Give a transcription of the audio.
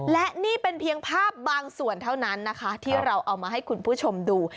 และนี่เป็นเพียงภาพบางส่วนเท่านั้นนะคะที่เราเอามาให้คุณผู้ชมดู